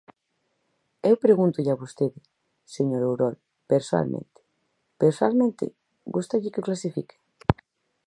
Eu pregúntolle a vostede, señor Ourol, persoalmente: ¿persoalmente, gústalle que o clasifiquen?